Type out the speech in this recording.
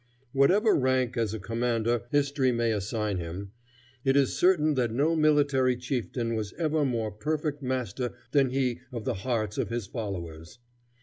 Whatever rank as a commander history may assign him, it is certain that no military chieftain was ever more perfect master than he of the hearts of his followers.